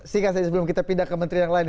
sehingga sebelum kita pindah ke menteri yang lain